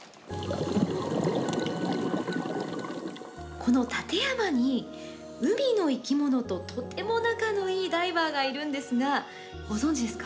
この館山に、海の生き物ととても仲のいいダイバーがいるんですが、ご存じですか？